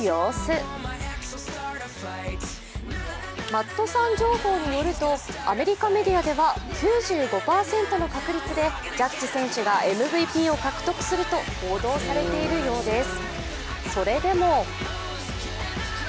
マットさん情報によると、アメリカメディアでは９５％の確率でジャッジ選手がＭＶＰを獲得すると報道されているようです。